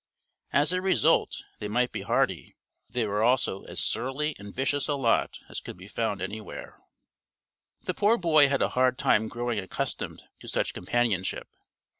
As a result they might be hardy, but they were also as surly and vicious a lot as could be found anywhere. The poor boy had a hard time growing accustomed to such companionship.